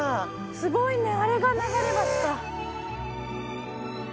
すごいねあれが流れ橋か！